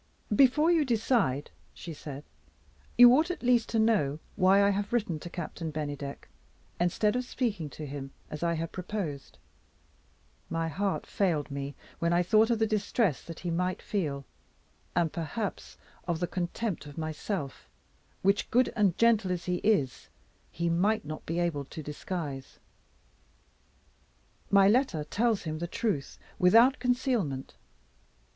"Before you decide," she said, "you ought at least to know why I have written to Captain Bennydeck, instead of speaking to him as I had proposed. My heart failed me when I thought of the distress that he might feel and, perhaps of the contempt of myself which, good and gentle as he is, he might not be able to disguise. My letter tells him the truth, without concealment.